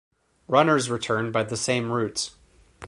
Runners return by the same route.